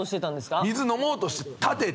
水飲もうとして立てて。